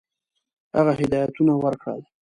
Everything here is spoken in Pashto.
هغه هدایتونه ورکړل.